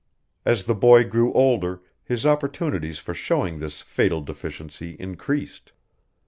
As the boy grew older his opportunities for showing this fatal deficiency increased.